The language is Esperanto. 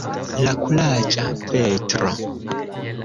La kuraĝa Petro.